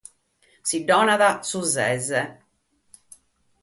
Si lu dat su sese.